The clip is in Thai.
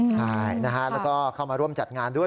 ใช่นะฮะแล้วก็เข้ามาร่วมจัดงานด้วย